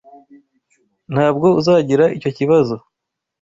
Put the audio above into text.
Ntabwo uzagira icyo kibazo.